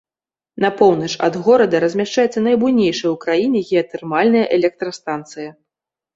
На поўнач ад горада размяшчаецца найбуйнейшая ў краіне геатэрмальная электрастанцыя.